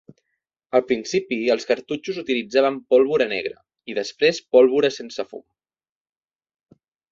Al principi els cartutxos utilitzaven pólvora negra i després pólvora sense fum.